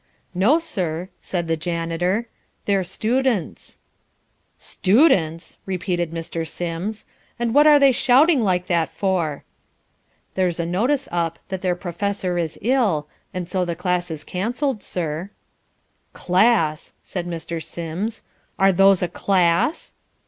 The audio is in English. "No sir," said the janitor. "They're students." "Students?" repeated Mr. Sims. "And what are they shouting like that for?" "There's a notice up that their professor is ill, and so the class is cancelled, sir." "Class!" said Mr. Sims. "Are those a class?"